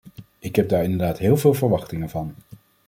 Ik heb daar inderdaad heel veel verwachtingen van.